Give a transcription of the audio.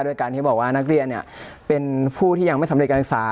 โดยการที่บอกว่านักเรียนเป็นผู้ที่ยังไม่สำเร็จการศึกษา